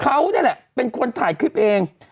เขานี่แหละเป็นคนถ่ายคลิปเอง